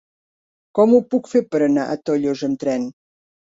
Com ho puc fer per anar a Tollos amb tren?